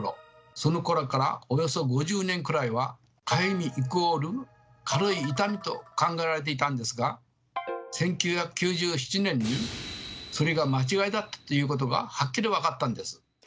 そのころからおよそ５０年くらいはかゆみイコール軽い痛みと考えられていたんですが１９９７年にそれが間違いだったということがはっきり分かったんです。